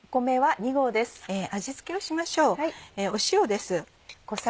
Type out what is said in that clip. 味付けをしましょう塩です。